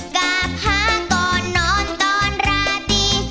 กราบพาก่อนนอนตอนราตี